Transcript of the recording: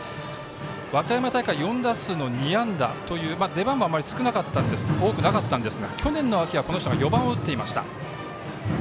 和歌山大会、４打数２安打と出番はあまり多くなかったんですが去年の秋はこの人が４番を打っていました。